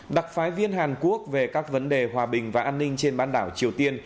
đặc phái viên hàn quốc về các vấn đề hòa bình và an ninh trên bán đảo triều tiên